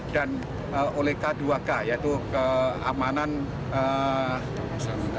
dan oleh k dua k yaitu keamanan konstruksi